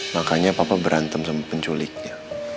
makanya papa berantem sama penculiknya